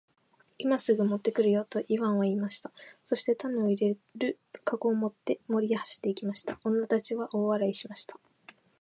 「今すぐ持って来るよ。」とイワンは言いました。そして種を入れる籠を持って森へ走って行きました。女たちは大笑いしました。